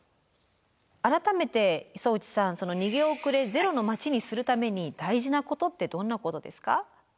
改めて磯打さん「逃げ遅れゼロの町」にするために大事なことってどんなことですか？